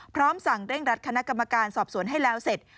พร้อมสั่งเร่งรัดคณะกรรมการสอบสวนให้แล้วเสร็จ